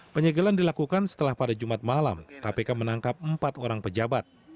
penyegelan dilakukan setelah pada jumat malam kpk menangkap empat orang pejabat